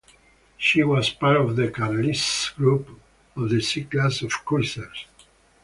She was part of the "Carlisle" group of the C-class of cruisers.